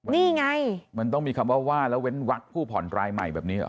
นี่ไงมันต้องมีคำว่าว่าแล้วเว้นวักผู้ผ่อนรายใหม่แบบนี้เหรอ